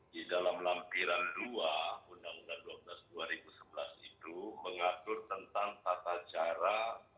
di dalam lampiran dua undang undang dua belas dua ribu sebelas itu mengatur tentang tata cara